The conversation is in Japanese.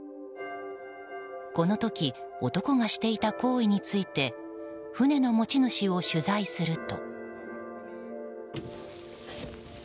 この時男がしていた行為について船の持ち主を取材すると。